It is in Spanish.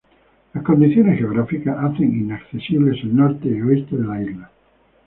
Las condiciones geográficas hacen inaccesibles el norte y oeste de la isla.